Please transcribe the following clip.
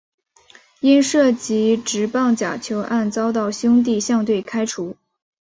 因涉及职棒假球案遭到兄弟象队开除。